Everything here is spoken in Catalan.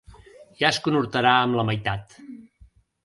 Ja es conhortarà amb la meitat.